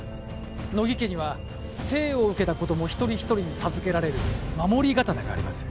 乃木家には生を受けた子供一人一人に授けられる守り刀があります